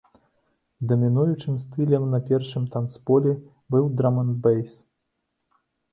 Дамінуючым стылем на першым танцполе быў драм'энд'бэйс.